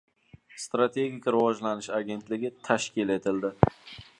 Strategik rivojlanish agentligi tashkil etildi